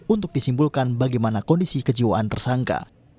untuk disimpulkan bagaimana kondisi kejiwaan tersangka